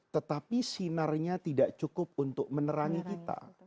tetapi sinarnya tidak cukup untuk menerangi kita